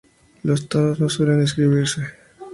Los tonos no suelen escribirse.